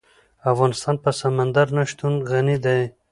افغانستان په سمندر نه شتون غني دی.